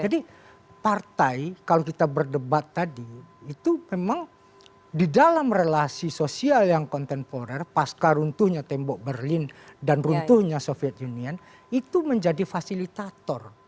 jadi partai kalau kita berdebat tadi itu memang di dalam relasi sosial yang kontemporer pasca runtuhnya tembok berlin dan runtuhnya soviet union itu menjadi fasilitator